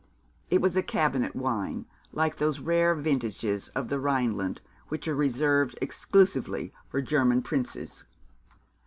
It was a cabinet wine, like those rare vintages of the Rhineland which are reserved exclusively for German princes.